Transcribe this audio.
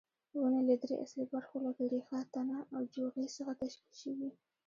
ونې له درې اصلي برخو لکه ریښه، تنه او جوغې څخه تشکیل شوې.